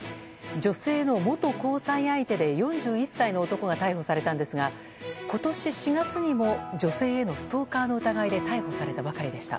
女性の元交際相手で４１歳の男が逮捕されたんですが今年４月にも女性へのストーカーの疑いで逮捕されたばかりでした。